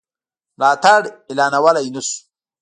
ملاتړ اعلانولای نه شو.